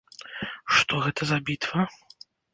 Што гэта за бітва?